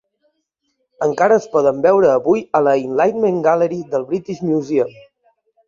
Encara es poden veure avui a la Enlightenment Gallery del British Museum.